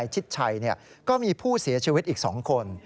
ชิดชัยก็มีผู้เสียชีวิตอีก๒คน